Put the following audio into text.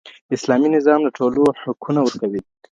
اسلامي نظام د ټولو حقونه ورکوي.